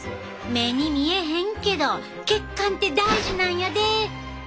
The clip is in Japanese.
目に見えへんけど血管って大事なんやで。